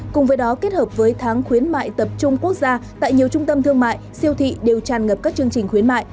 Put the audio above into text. cùng với đó kết hợp với tháng khuyến mại tập trung quốc gia tại nhiều trung tâm thương mại siêu thị đều tràn ngập các chương trình khuyến mại